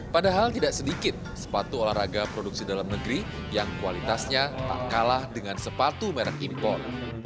padahal tidak sedikit sepatu olahraga produksi dalam negeri yang kualitasnya tak kalah dengan sepatu merek impor